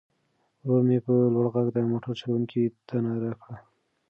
ورور مې په لوړ غږ د موټر چلوونکي ته ناره کړه.